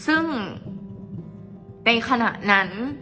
ซึ่งในขณะนั้น